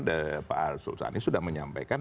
the pak arsul sani sudah menyampaikan